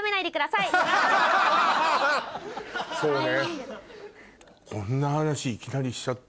そうね。